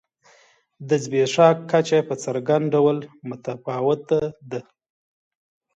د زبېښاک کچه په څرګند ډول متفاوته ده.